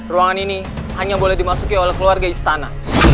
ruangan ini hanya boleh dimasuki oleh keluarga istana